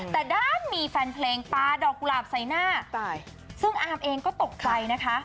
แต่ด้านมีแฟนเพลงปลาดอกกุหลาบใส่หน้าซึ่งอาร์มเองก็ตกใจนะคะ